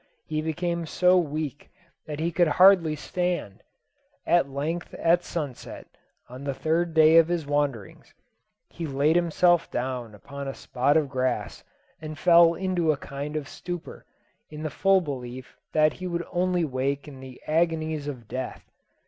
He became so weak that he could hardly stand. At length at sunset, on the third day of his wanderings, he laid himself down upon a spot of grass, and fell into a kind of stupor, in the full belief that he would only wake in the agonies of death.